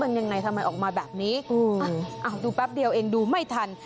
มันยังไงทำไมออกมาแบบนี้ดูแป๊บเดียวเองดูไม่ทัน